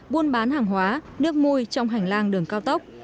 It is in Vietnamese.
buôn bán hàng hóa nước mùi trong hành lang đường cao tốc